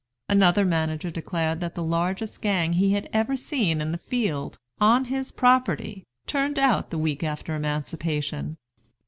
Another manager declared that the largest gang he had ever seen in the field, on his property, turned out the week after emancipation.